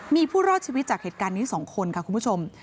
มีผู้รอดชีวิตจากเหตุการณ์นี้๒คนค่ะคุณผู้ชม